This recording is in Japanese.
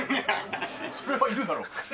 それはいるだろ。